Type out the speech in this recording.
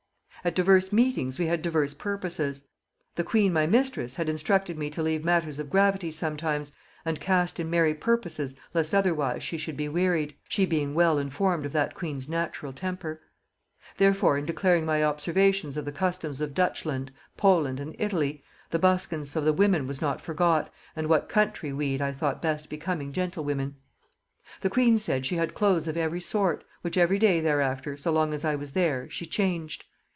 ..."At divers meetings we had divers purposes. The queen my mistress had instructed me to leave matters of gravity sometimes, and cast in merry purposes, lest otherwise she should be wearied; she being well informed of that queen's natural temper. Therefore in declaring my observations of the customs of Dutchland, Poland, and Italy; the buskins of the women was not forgot, and what country weed I thought best becoming gentlewomen. The queen said she had clothes of every sort, which every day thereafter, so long as I was there, she changed.